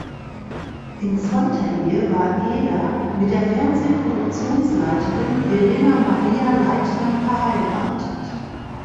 In zweiter Ehe war Eder mit der Fernseh-Produktionsleiterin Verena-Maria Leitner verheiratet.